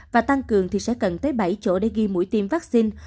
và tăng cường thì sẽ cần tới bảy chỗ để ghi mũi tiêm vaccine